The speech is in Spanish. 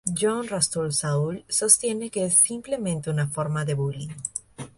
John Ralston Saul sostiene que es simplemente una forma de "bullying".